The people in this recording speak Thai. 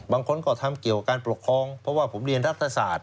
บางคนก็ทำเกี่ยวกับการปกครองเพราะว่าผมเรียนรัฐศาสตร์